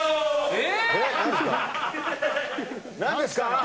え